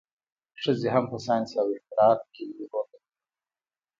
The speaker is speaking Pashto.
ښځې هم په ساینس او اختراعاتو کې لوی رول لري.